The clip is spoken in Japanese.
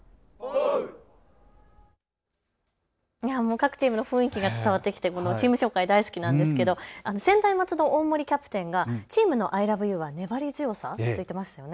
各チームの雰囲気が伝わってきてこのチーム紹介、大好きなんですけど専大松戸、大森キャプテンがチームのアイラブユーは粘り強さと言っていましたね。